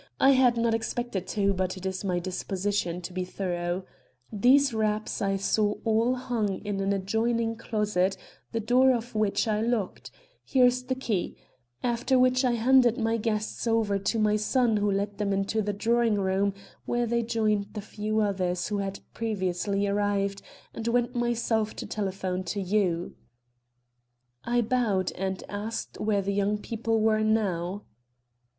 I had not expected to, but it is my disposition to be thorough. These wraps I saw all hung in an adjoining closet, the door of which I locked, here is the key, after which I handed my guests over to my son who led them into the drawing room where they joined the few others who had previously arrived, and went myself to telephone to you." I bowed and asked where the young people were now.